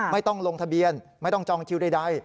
ไม่ต้องลงทะเบียนไม่ต้องจองคิวใด